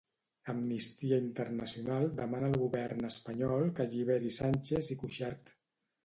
Amnistia Internacional demana al govern espanyol que alliberi Sànchez i Cuixart